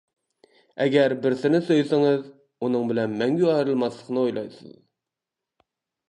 ئەگەر بىرسىنى سۆيسىڭىز، ئۇنىڭ بىلەن مەڭگۈ ئايرىلماسلىقنى ئويلايسىز.